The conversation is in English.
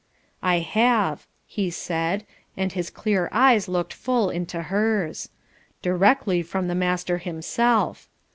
"I have," he said, and his clear eyes looked full into hers, "directly from the Master himself.